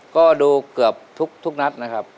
ก็ดูเกือบทุกนัดนะครับ